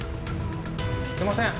すいません。